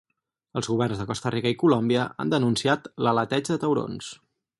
Els governs de Costa Rica i Colòmbia han denunciat l'aleteig de taurons.